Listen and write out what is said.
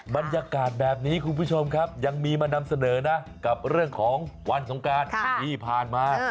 บรรยากาศแบบนี้คุณผู้ชมครับยังมีมานำเสนอนะกับเรื่องของวันสงการที่ผ่านมา